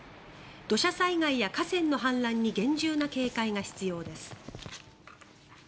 土砂災害や河川の氾濫に厳重な警戒が必要です。